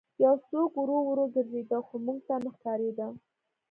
یو څوک ورو ورو ګرځېده خو موږ ته نه ښکارېده